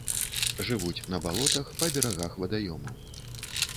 Жывуць на балотах, па берагах вадаёмаў.